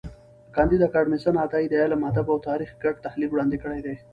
کانديد اکاډميسن عطایي د علم، ادب او تاریخ ګډ تحلیل وړاندي کړی دی.